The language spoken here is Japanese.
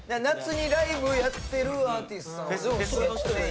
夏にライブやってるアーティストさん。